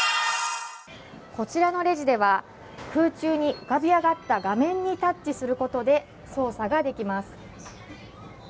こちらのレジでは空中に浮かび上がった画面にタッチすることで操作ができます。